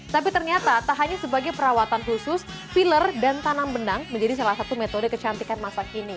tapi ternyata tak hanya sebagai perawatan khusus filler dan tanam benang menjadi salah satu metode kecantikan masa kini